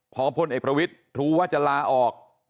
พอพลเอกประวิทย์รู้ว่าจะลาออก